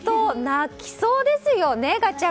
泣きそうですよね。